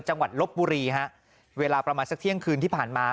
ลบบุรีฮะเวลาประมาณสักเที่ยงคืนที่ผ่านมา